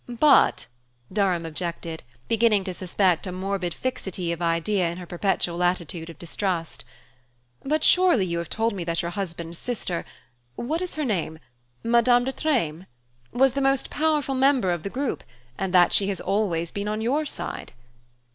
"But," Durham objected, beginning to suspect a morbid fixity of idea in her perpetual attitude of distrust "but surely you have told me that your husband's sister what is her name? Madame de Treymes? was the most powerful member of the group, and that she has always been on your side."